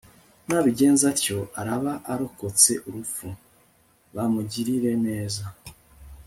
nabigenza atyo araba arokotse urupfu, bamugirire neza